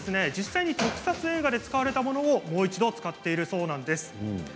実際、特撮映画で使われたものをもう一度使っているそうなんです。